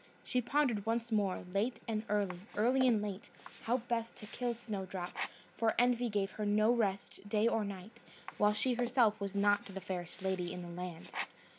She pondered once more, late and early, early and late, how best to kill Snowdrop; for envy gave her no rest, day or night, while she herself was not the fairest lady in the land.